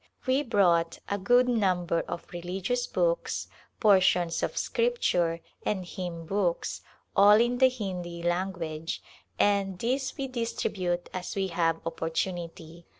We brought a good number of religious books, por tions of Scripture and hymn books, all in the Hindi language, and these we distribute as we have oppor tunity.